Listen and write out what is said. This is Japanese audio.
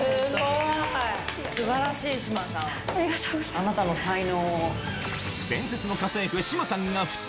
あなたの才能。